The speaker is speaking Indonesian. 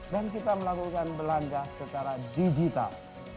dan kita melakukan belanja secara digital